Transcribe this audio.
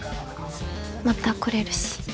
また来れるし。